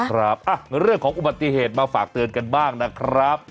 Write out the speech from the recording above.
ครับเรื่องของอุบัติเหตุมาฝากเตือนกันบ้างนะครับ